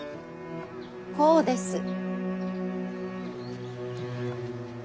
こうです。